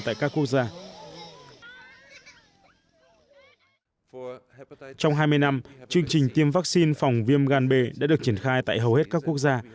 trong hai mươi năm chương trình tiêm vaccine phòng viêm gan b đã được triển khai tại hầu hết các quốc gia